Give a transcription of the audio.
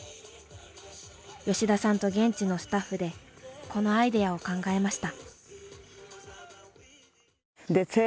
吉田さんと現地のスタッフでこのアイデアを考えました。